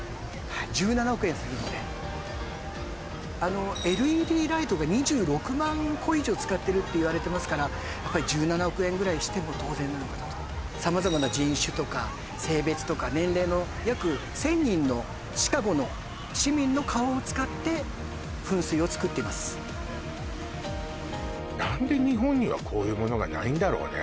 １７億円するのであのＬＥＤライトが２６万個以上使ってるっていわれてますからやっぱり１７億円ぐらいしても当然なのかと様々な人種とか性別とか年齢の約１０００人のシカゴの市民の顔を使って噴水をつくっています何で日本にはこういうものがないんだろうね